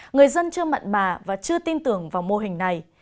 người dân chưa mận bà và chưa tin tưởng vào mô hình này